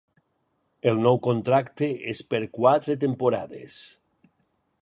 El nou contracte és per quatre temporades.